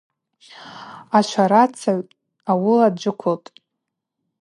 Ашварацыгӏв ауыла дджвыквылтӏ.